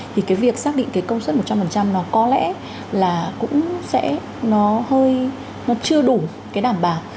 thì cái việc xác định cái công suất một trăm linh nó có lẽ là cũng sẽ nó hơi nó chưa đủ cái đảm bảo